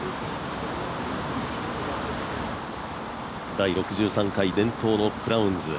第６３回、伝統のクラウンズ。